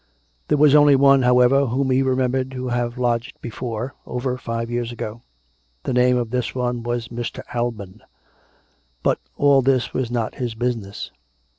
There was only one, however, whom he remembered to have lodged before, over five years ago. The name of this one was Mr. Alban. But all this? was not his business.